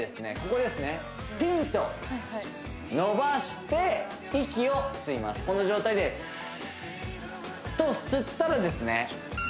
ここですねピンと伸ばして息を吸いますこの状態でと吸ったらですね